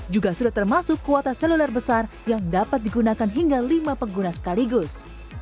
juga sudah termasuk kuota seluler besar yang dapat digunakan hingga lima pengguna sekaligus